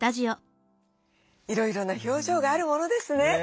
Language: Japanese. いろいろな表情があるものですね。